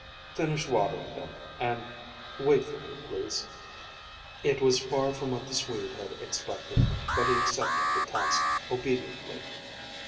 "Finish watering them, and wait for me, please." It was far from what the Swede had expected; but he accepted the task, obediently.